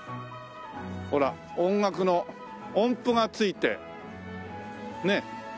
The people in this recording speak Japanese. ほら音楽の音符がついてねえ。